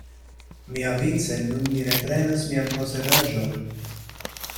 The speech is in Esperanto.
Miavice nun mi reprenas mian posedaĵon.